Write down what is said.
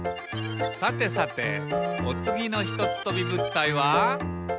さてさておつぎのひとつとびぶったいは？